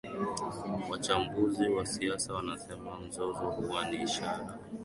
wachambuzi wa siasa wanasema mzozo huo ni ishara